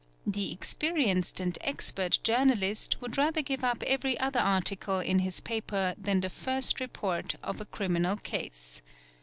The experienced and expert journalist would rather give up every other article in his paper than the first report of a criminal case.